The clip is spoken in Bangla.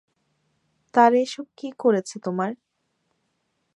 তারা এসব কি করেছে তোমার?